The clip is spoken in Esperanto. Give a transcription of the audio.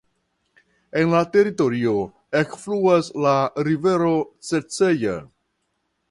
En la teritorio ekfluas la rivero Ceceja.